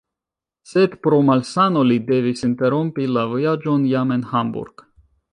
Sed pro malsano li devis interrompi la vojaĝon jam en Hamburg.